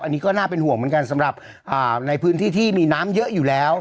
อันนี้ก็น่าเป็นห่วงเหมือนกันสำหรับในพื้นที่ที่มีน้ำเยอะอยู่แล้ว